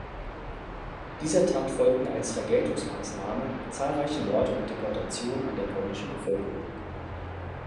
Dieser Tat folgten als „Vergeltungsmaßnahme“ zahlreiche Morde und Deportationen an der polnischen Bevölkerung.